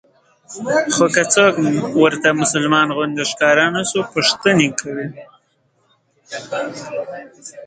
خو که څوک ورته مسلمان غوندې ښکاره نه شو پوښتنې کوي.